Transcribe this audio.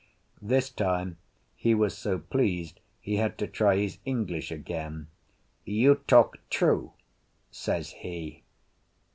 This time he was so pleased he had to try his English again. "You talk true?" says he.